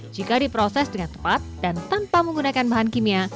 jika diproses dengan tepat dan tanpa menggunakan bahan kimia